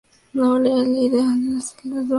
Nace la idea del banco de los banqueros.